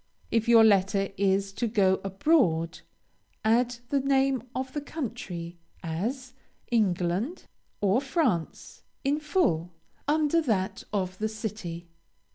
If your letter is to go abroad, add the name of the country: as, England, or France, in full, under that of the city.